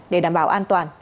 để đảm bảo an toàn